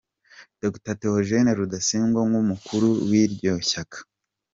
Dr. Theogene Rudasingwa, nk’umukuru w’iryo shyaka